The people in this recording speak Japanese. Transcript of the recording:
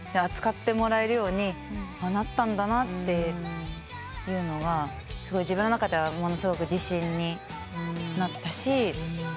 扱ってもらえるようになったんだなっていうのがすごい自分の中ではものすごく自信になったし。